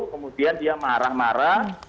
kemudian dia marah marah